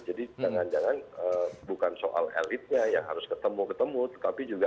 jadi jangan jangan bukan soal elitnya yang harus ketemu ketemu tapi juga